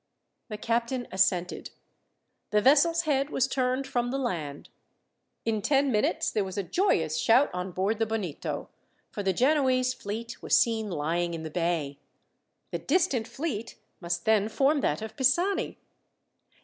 The captain assented. The vessel's head was turned from the land. In ten minutes there was a joyous shout on board the Bonito, for the Genoese fleet was seen lying in the bay. The distant fleet must then form that of Pisani.